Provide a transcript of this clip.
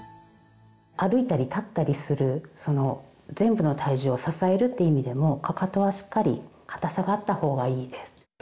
歩いたり立ったりするその全部の体重を支えるって意味でもかかとはしっかり硬さがあった方がいいです。